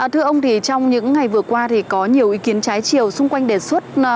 thưa ông thì trong những ngày vừa qua thì có nhiều ý kiến trái chiều xung quanh đề xuất